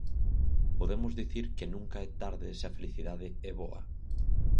Podemos dicir que nunca é tarde se a felicidade é boa?